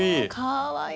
かわいい。